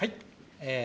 え